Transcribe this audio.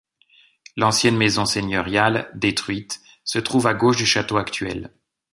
L'ancienne maison seigneuriale, détruite, se trouve à gauche du château actuel.